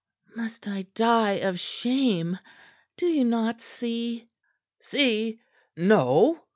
Must I die of shame? Do you not see?" "See? No!"